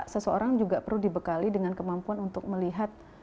seseorang juga perlu dibekali dengan kemampuan untuk melihat